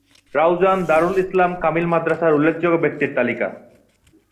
রাউজান দারুল ইসলাম কামিল মাদ্রাসার উল্লেখযোগ্য ব্যক্তির তালিকা